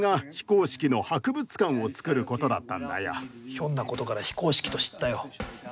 ひょんなことから非公式と知ったよ。